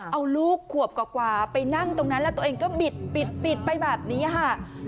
เอาลูกขวบกว่าไปนั่งตรงนั้นแล้วตัวเองก็บิดไปแบบนี้ค่ะ